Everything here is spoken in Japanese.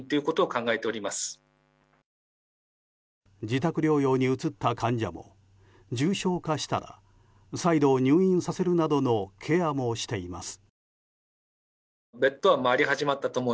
自宅療養に移った患者も重症化したら再度入院させるなどのケアもしています。